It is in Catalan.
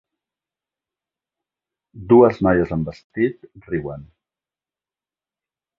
Dues noies amb vestit riuen.